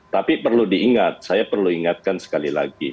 tapi perlu diingat saya perlu ingatkan sekali lagi